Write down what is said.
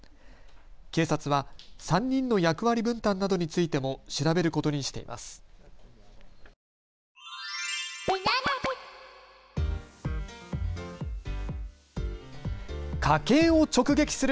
警察は３人の役割分担などについても調べることにしています。